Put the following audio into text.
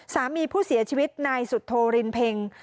สามีผู้เสียชีวิตนายสุโธรินเพ็ง